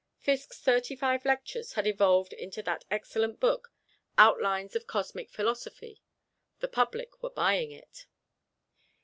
Fiske's thirty five lectures had evolved into that excellent book, "Outlines of Cosmic Philosophy." The public were buying it.